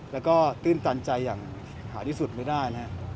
และก็ตื้นตันใจอย่างขาดที่สุดไม่ได้นะ